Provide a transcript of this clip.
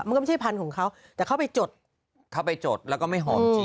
มันก็ไม่ใช่พันธุ์ของเขาแต่เขาไปจดเข้าไปจดแล้วก็ไม่หอมจริง